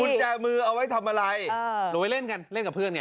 กุญแจมือเอาไว้ทำอะไรหนูไปเล่นกันเล่นกับเพื่อนไง